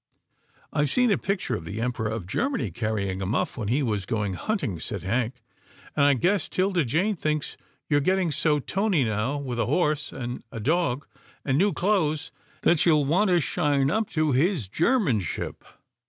" I've seen a picture of the Emperor of Germany carrying a muff when he was going hunting," said Hank, " and I guess 'Tilda Jane thinks you are getting so tony now with a horse, and a dog, and new clothes, that you'll want to shine up to his Germanship."